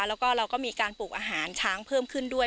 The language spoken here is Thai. แล้วก็เราก็มีการปลูกอาหารช้างเพิ่มขึ้นด้วย